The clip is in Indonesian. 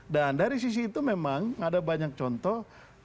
dan dari sisi itu memang ada banyak contoh